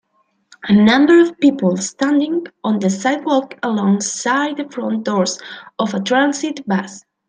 a number of people standing on the sidewalk along side the front doors of a transit bus